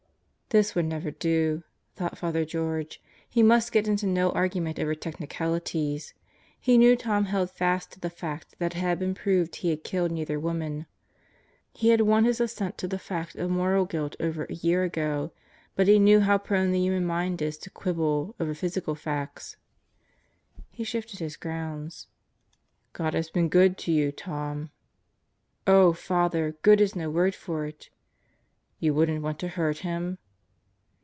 This would never do, thought Father George. He must get into no argument over technicalities. He knew Tom held fast to the fact that it had been proved he had killed neither woman. He had won his assent to the fact of moral guilt over a year ago, but he knew how prone the human mind is to quibble over physical facts. He shifted his grounds. "God has been good to you, Tom." "Oh, Father! Good is no word for it." "You wouldn't want to hurt Him?"